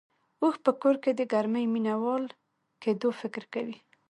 اوښ په کور کې د ګرمۍ مينه وال کېدو فکر کوي.